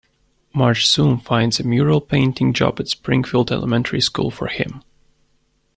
Marge soon finds a mural-painting job at Springfield Elementary School for him.